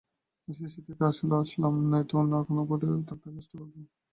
NSC থেকে আসলে আসলাম, নয়তো অন্য কোনোভাবে বোর্ডে থাকতে চেষ্টা করব।